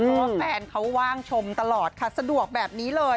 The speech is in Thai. เพราะว่าแฟนเขาว่างชมตลอดค่ะสะดวกแบบนี้เลย